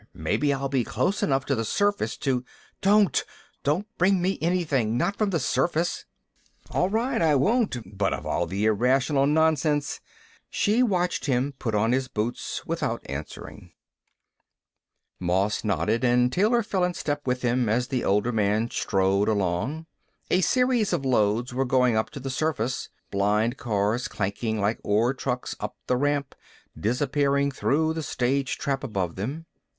Maybe I'll be close enough to the surface to " "Don't! Don't bring me anything! Not from the surface!" "All right, I won't. But of all the irrational nonsense " She watched him put on his boots without answering. Moss nodded and Taylor fell in step with him, as the older man strode along. A series of loads were going up to the surface, blind cars clanking like ore trucks up the ramp, disappearing through the stage trap above them.